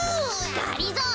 がりぞー